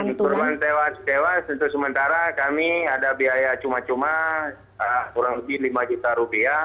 untuk korban tewas tewas untuk sementara kami ada biaya cuma cuma kurang lebih lima juta rupiah